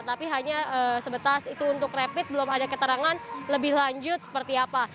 tapi hanya sebatas itu untuk rapid belum ada keterangan lebih lanjut seperti apa